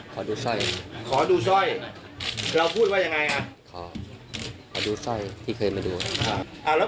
กรียงเมล็ดแขมขาดสลัด